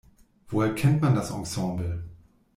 Woher kennt man das Ensemble?